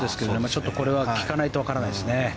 ちょっとこれは聞かないとわからないですね。